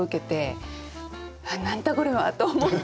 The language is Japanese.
「あっ何だこれは！」と思って。